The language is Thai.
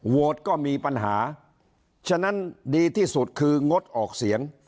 ก็มีปัญหาฉะนั้นดีที่สุดคืองดออกเสียง